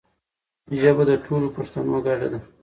ژبه د ټولو پښتانو ګډه ده.